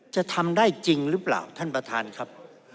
จะทำได้จริงหรือเปล่าท่านประธานครับ